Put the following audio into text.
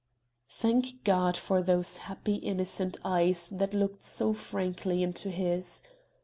Thank God for those happy innocent eyes that looked so frankly into his!